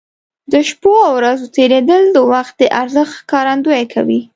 د شپو او ورځو تېرېدل د وخت د ارزښت ښکارندوي کوي.